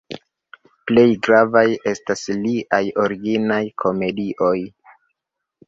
Plej gravaj estas liaj originaj komedioj.